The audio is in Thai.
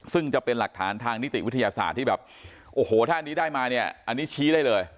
ซึ่งจะเป็นหลักฐานทางนิติวิทยาศาสตร์ที่แบบโอ้โหถ้าอันนี้ได้มาเนี่ยอันนี้ชี้ได้เลย